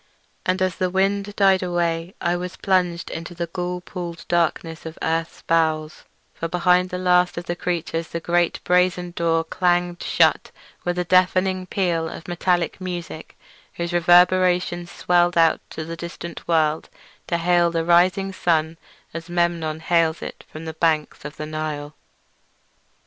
And as the wind died away I was plunged into the ghoul peopled blackness of earth's bowels; for behind the last of the creatures the great brazen door clanged shut with a deafening peal of metallic music whose reverberations swelled out to the distant world to hail the rising sun as Memnon hails it from the banks of the Nile.